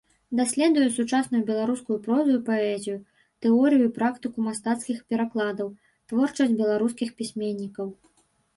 Даследуе сучасную беларускую прозу і паэзію, тэорыю і практыку мастацкіх перакладаў, творчасць беларускіх пісьменнікаў.